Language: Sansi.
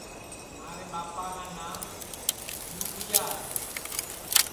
مھارے ٻاپا کا نانٚو بھٻُوتِیا ہے